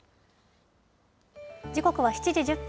時刻は７時１０分。